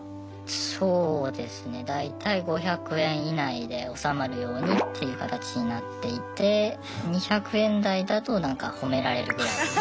そうですね大体５００円以内で収まるようにっていう形になっていて２００円台だとなんか褒められるぐらい。